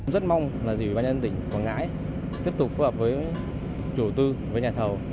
rất mong là dự bàn nhân tỉnh quảng ngãi tiếp tục phù hợp với chủ tư với nhà thầu